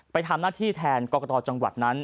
ไปทำหน้าที่แทนกรกตจังหวัดนั้น